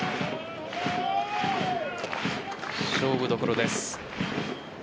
勝負どころです。